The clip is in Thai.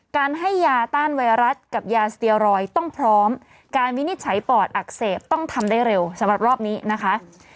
การให้ยาต้านไวรัสกับยาสเตียรอยด์ต้องพร้อมการวินิจฉัยปอดอักเสบต้องทำได้เร็วสำหรับรอบนี้นะคะ